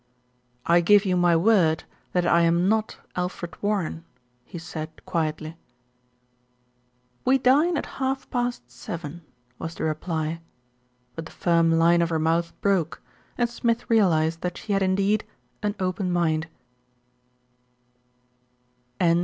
"I give you my word that I am not Alfred Warren," he said quietly. "We dine at half past seven," was the reply; but the firm line of her mouth broke, and Smith realised that she had indeed an open mind.